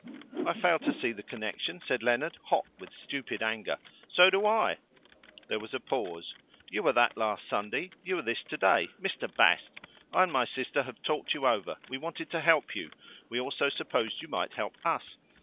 " "I fail to see the connection," said Leonard, hot with stupid anger. "So do I." There was a pause. "You were that last Sunday you are this today. Mr. Bast! I and my sister have talked you over. We wanted to help you; we also supposed you might help us.